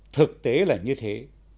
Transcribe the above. thực tế là như thế